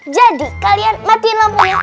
jadi kalian matiin lampunya